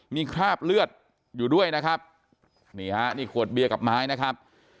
มีคราบเลือดอยู่ด้วยนะครับนี่ฮะนี่ขวดเบียร์กับไม้นะครับ